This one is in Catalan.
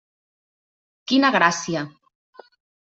Quina gràcia!